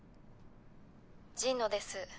神野です。